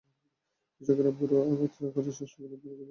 কৃষকেরা বোরো আবাদ করলেও বৃষ্টি হলে পানি জমে খেত নষ্ট হয়ে যাচ্ছে।